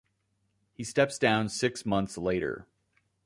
He steps down six months later.